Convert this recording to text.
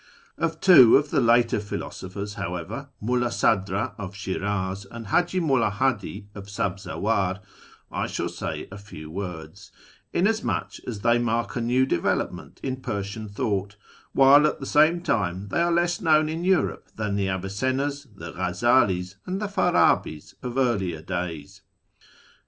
Of two of the later pliilosophers, however, — Mulla Sadra of Shirdz, and Haji Mulla Hadi of Sabzawar, — I shall say a few words, inasmuch as they mark a new development in Persian thought, while at the same time they are less known in Europe than the Avicennas, the Ghazzalis, and the Farabis of earlier days.